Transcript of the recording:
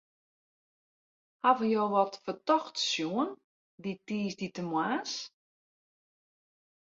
Hawwe jo wat fertochts sjoen dy tiisdeitemoarns?